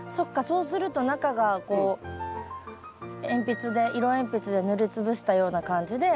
そうすると中がこう鉛筆で色鉛筆で塗りつぶしたような感じで。